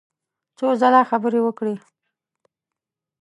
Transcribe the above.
څو ځله خبرې وکړې.